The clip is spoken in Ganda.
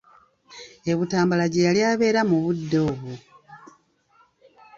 E Butambala gye yali abeera mu budde obwo.